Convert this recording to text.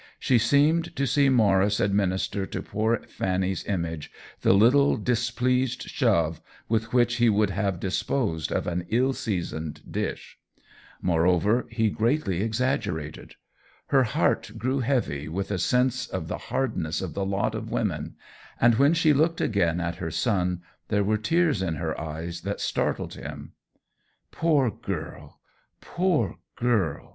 She seemed to see Maurice administer to poor Fanny's image the little displeased shove with which he would have disposed of an ill seasoned dish. Moreover, he great THE WHEEL OF TIME 29 ly exaggerated. Her heart grew heavy with a sense of the hardness of the lot of women, and when she looked again at her son there were tears in her eyes that startled him. " Poor girl — poor girl